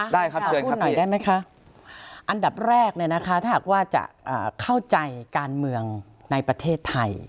ได้ครับทุกครั้งค่ะอันดับแรกนะคะถ้าอยากจะเข้าใจการเมืองในประเทศไทย